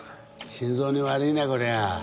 心臓に悪いなこりゃ。